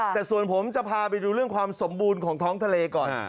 แต่ส่วนผมจะพาไปดูเรื่องความสมบูรณ์ของท้องทะเลก่อน